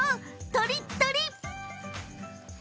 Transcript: とりっとり！